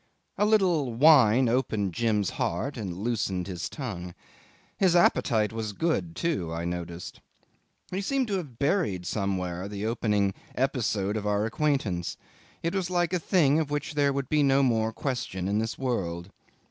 A little wine opened Jim's heart and loosened his tongue. His appetite was good, too, I noticed. He seemed to have buried somewhere the opening episode of our acquaintance. It was like a thing of which there would be no more question in this world.